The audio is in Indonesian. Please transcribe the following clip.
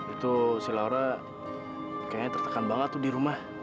itu si laura kayaknya tertekan banget tuh di rumah